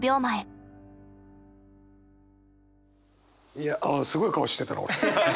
いやああすごい顔してたな俺。